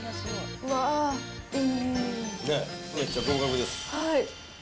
めっちゃ合格です。